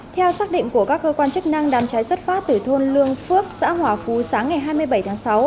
theo xác định của các cơ quan chức năng đám cháy xuất phát từ thôn lương phước xã hòa phú sáng ngày hai mươi bảy tháng sáu